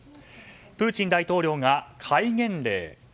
プーチン大統領が戒厳令。